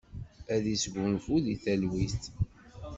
Ad yesgunfu di talwit.